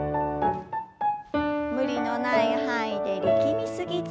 無理のない範囲で力み過ぎず。